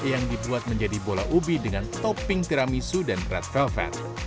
yang dibuat menjadi bola ubi dengan topping tiramisu dan red velvet